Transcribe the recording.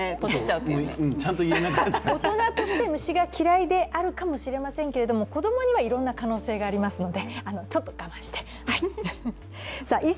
大人として虫が嫌いであるかもしれませんけれども子供にはいろんな可能性がありますのでちょっと我慢してはい！